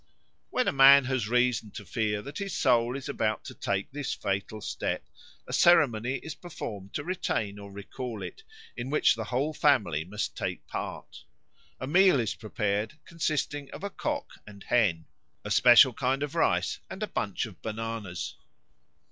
When a man has reason to fear that his soul is about to take this fatal step, a ceremony is performed to retain or recall it, in which the whole family must take part. A meal is prepared consisting of a cock and hen, a special kind of rice, and a bunch of bananas.